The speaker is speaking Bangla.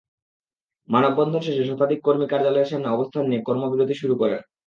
মানববন্ধন শেষে শতাধিক কর্মী কার্যালয়ের সামনে অবস্থান নিয়ে কর্মবিরতি শুরু করেন।